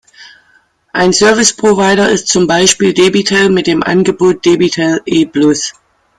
Ein Service Provider ist zum Beispiel Debitel mit dem Angebot "Debitel E-Plus".